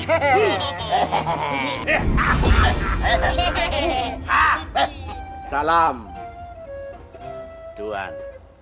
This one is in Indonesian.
hehehe nelah ah hehehe salam tuhan